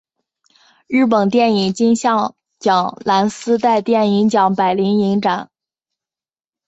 日本电影金像奖蓝丝带电影奖柏林影展